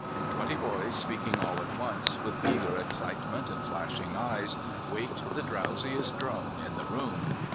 Twenty boys speaking all at once, with eager excitement and flashing eyes, waked the drowsiest drone in the room.